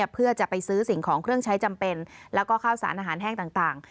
เพื่อจะไปซื้อสิ่งของเครื่องใช้จำเป็นแล้วก็ข้าวสารอาหารแห้งต่าง